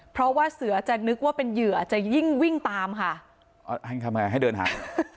เพราะว่าเสือจะนึกว่าเป็นเหยื่อจะยิ่งวิ่งตามค่ะให้เดินทาง